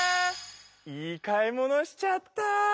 いい買い物しちゃった。